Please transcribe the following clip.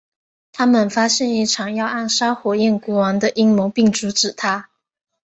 他们发现一场要暗杀火焰国王的阴谋并阻止它。